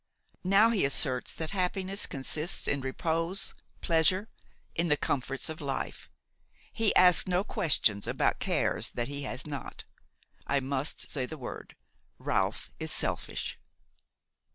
Now he asserts that happiness consists in repose, pleasure, in the comforts of life. He asks no questions about cares that he has not. I must say the word: Ralph is selfish."